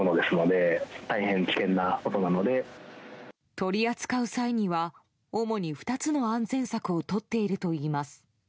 取り扱う際には主に２つの安全策をとっているといいます。